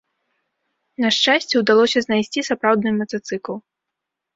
На шчасце, удалося знайсці сапраўдны матацыкл.